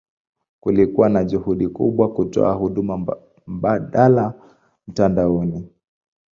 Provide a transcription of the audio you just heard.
Kulikuwa na juhudi kubwa kutoa huduma mbadala mtandaoni.